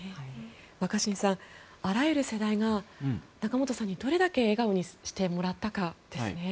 若新さんあらゆる世代が仲本さんにどれだけ笑顔にしてもらったかですね。